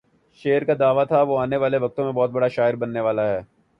شعر کا دعویٰ تھا وہ آنے والے وقتوں میں بہت بڑا شاعر بننے والا ہے۔